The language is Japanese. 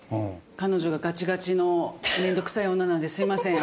彼女がガチガチの面倒くさい女なのですいません。